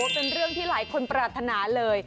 เป็นเรื่องที่หลายคนปรารถนาเลย